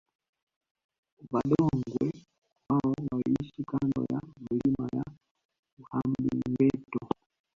Vadongwe wao waliishi kando ya milima ya Uhambingeto